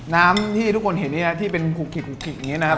น้ำที่ทุกคนเห็นที่เป็นคุกกิกคุกกิกอย่างนี้นะครับ